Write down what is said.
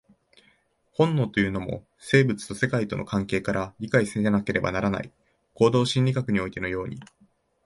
本能というのも、生物と世界との関係から理解せられなければならない、行動心理学においてのように。